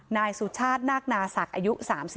นายสุชาตินาคนาศักดิ์อายุ๓๔